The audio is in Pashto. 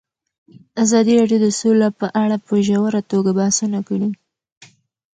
ازادي راډیو د سوله په اړه په ژوره توګه بحثونه کړي.